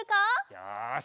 よし。